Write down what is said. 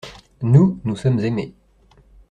Nous, nous sommes aimés.